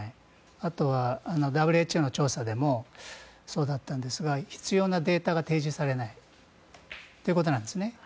あとは、ＷＨＯの調査でもそうだったんですが必要なデータが提示されないということなんですね。